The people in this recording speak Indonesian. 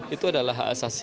itu adalah hak asasi